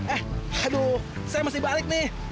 eh aduh saya masih balik nih